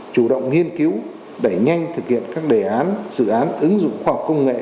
chủ động nghiên cứu đẩy nhanh thực hiện các đề án dự án ứng dụng khoa học công nghệ